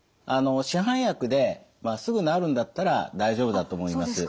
市販薬ですぐ治るんだったら大丈夫だと思います。